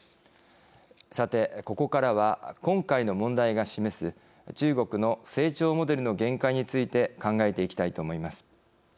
さて、ここからは今回の問題が示す中国の成長モデルの限界について考えていきたいと思います。